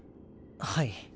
はい。